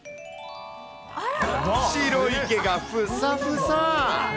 白い毛がふさふさ。